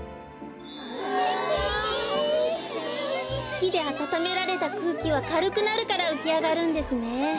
ひであたためられたくうきはかるくなるからうきあがるんですね。